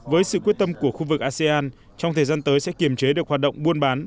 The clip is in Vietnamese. với sự quyết tâm của khu vực asean trong thời gian tới sẽ kiềm chế được hoạt động buôn bán